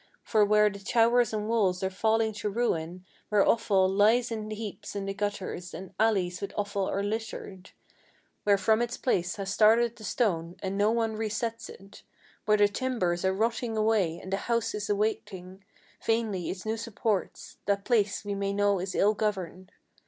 For where the towers and walls are falling to ruin; where offal Lies in heaps in the gutters, and alleys with offal are littered; Where from its place has started the stone, and no one resets it; Where the timbers are rotting away, and the house is awaiting Vainly its new supports, that place we may know is ill governed.